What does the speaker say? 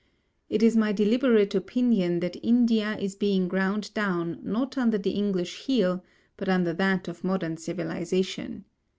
It is my deliberate opinion that India is being ground down not under the English heel but under that of modern civilization.